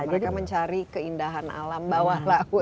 mereka mencari keindahan alam bawah laut